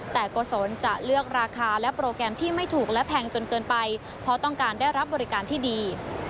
แต่โกศลจะเลือกราคาและโปรแกรมที่ไม่ถูกและแพงจนเกินไปเพราะต้องการได้รับบริการที่ดี